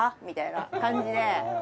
みたいな感じで。